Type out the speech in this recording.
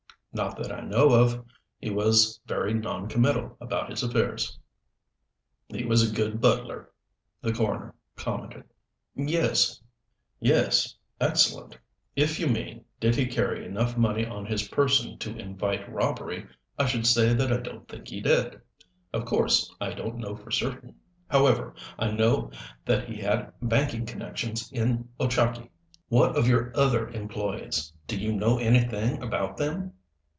"Not that I know of. He was very non committal about his affairs." "He was a good butler," the coroner commented. "Yes. Excellent. If you mean, did he carry enough money on his person to invite robbery, I should say that I don't think he did. Of course I don't know for certain. However, I know that he had banking connections in Ochakee." "What of your other employees. Do you know anything about them?"